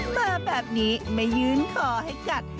เมื่อแบบนี้ไม่ยืนขอให้กัด